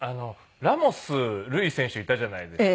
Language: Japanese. ラモス瑠偉選手いたじゃないですか。